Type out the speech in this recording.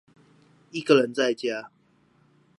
一個人在家